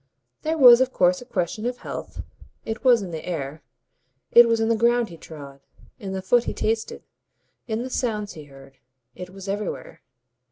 There was of course a question of health it was in the air, it was in the ground he trod, in the food he tasted, in the sounds he heard, it was everywhere.